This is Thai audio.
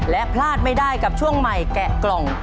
และพลาดไม่ได้กับช่วงใหม่แกะกล่อง